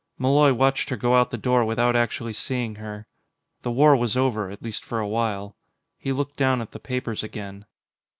Malloy watched her go out the door without actually seeing her. The war was over at least for a while. He looked down at the papers again.